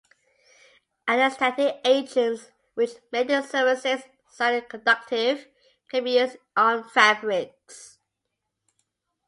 Antistatic agents, which make the surfaces slightly conductive, can be used on fabrics.